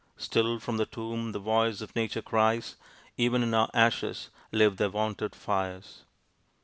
Still from the tomb the voice of nature cries; Even in our ashes live their wonted fires!